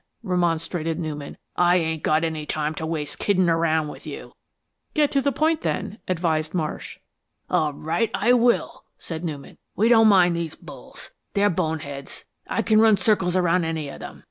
remonstrated Newman. "I ain't got any time to waste kiddin' around with you." "Get down to the point then," advised Marsh. "All right, I will," said Newman. "We don't mind these bulls. They're bone heads. I can run circles around any one of them.